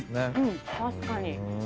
確かに。